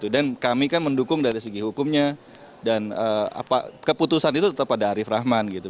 dan kami kan mendukung dari segi hukumnya dan keputusan itu tetap pada arief rahman